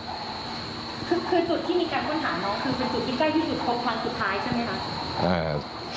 คือจุดที่มีการค้นหาน้องคือเป็นจุดที่ใกล้ที่สุดครบวันสุดท้ายใช่ไหมคะ